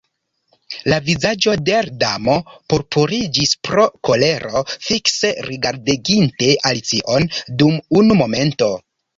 La vizaĝo de l' Damo purpuriĝis pro kolero; fikse rigardeginte Alicion dum unu momento